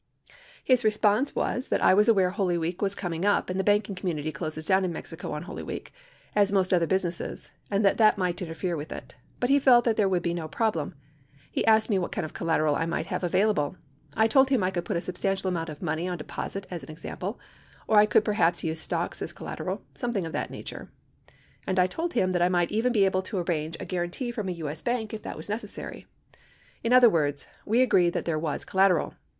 His response was that was I aware Holy Week was coming up and the banking community closes down in Mexico on Holy Week, as most other businesses, and that that might interfere with it. But he felt that there would be no problem. He asked me what kind of collateral I might have available. I told him I could put a substantial amount of money on deposit as an example, or I could perhaps use stocks as collateral, something of that nature. And I told him that I might even be able to arrange a guarantee from a TJ.S. bank if that was necessary. In other words, w T e agreed that there was collateral.